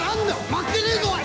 負けねえぞおい！